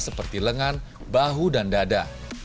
seperti lengan bahu dan dada